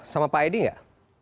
sama pak edi gak